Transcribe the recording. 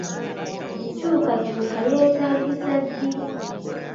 Enkyukakyuka yeeetaagisa ddi?